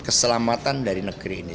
keselamatan dari negeri ini